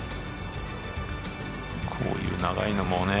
こういう長いのもね